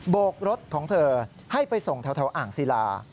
โกกรถของเธอให้ไปส่งแถวอ่างศิลา